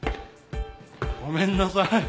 ごめんなさい。